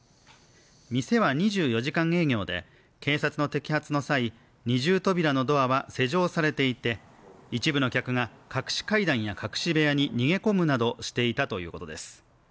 店は２４時間営業で、警察の摘発の際二重扉のドアは施錠されていて一部の客が隠し階段や隠し部屋に逃げ込むなどしていたということです。